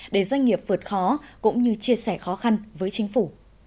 để doanh nghiệp vượt khó cũng như chia sẻ khó khăn với chính phủ